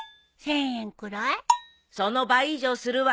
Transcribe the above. その倍以上するわよ。